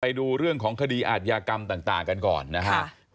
ไปดูเรื่องของคดีอาทยากรรมต่างกันก่อนนะครับ